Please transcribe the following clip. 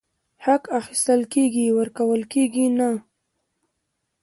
حق اخيستل کيږي، ورکول کيږي نه !!